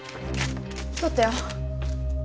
取ったよ。